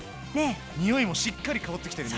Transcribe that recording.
匂いもしっかり香ってきてるよね。